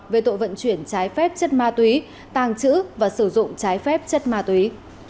về tội vận chuyển trái phép chất ma túy tàng trữ và sử dụng trái phép chất ma túy